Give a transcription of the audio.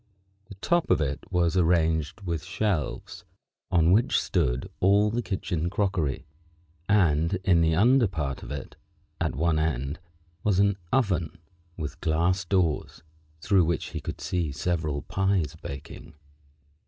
The top of it was arranged with shelves, on which stood all the kitchen crockery, and in the under part of it, at one end, was an oven with glass doors, through which he could see several pies baking.